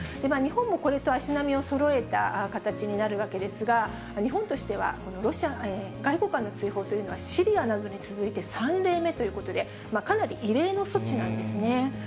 日本もこれと足並みをそろえた形になるわけですが、日本としては、外交官の追放というのは、シリアなどに続いて３例目ということで、かなり異例の措置なんですね。